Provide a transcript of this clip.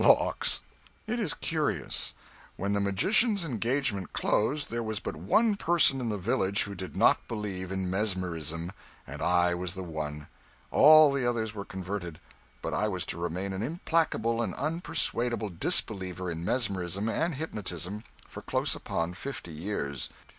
Lawks! It is curious. When the magician's engagement closed there was but one person in the village who did not believe in mesmerism, and I was the one. All the others were converted, but I was to remain an implacable and unpersuadable disbeliever in mesmerism and hypnotism for close upon fifty years.